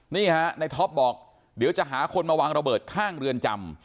นี่ฮะในท็อปบอกเดี๋ยวจะหาคนมาวางระเบิดข้างเรือนจำ